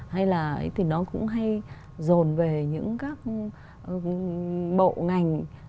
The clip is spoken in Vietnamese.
hay là thì nó cũng hay rồn về những các bộ ngành